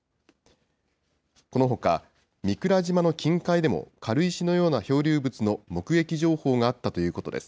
このほか御蔵島の近海でも、軽石のような漂流物の目撃情報があったということです。